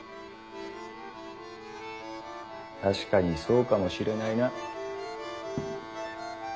確かにそうかもしれないな。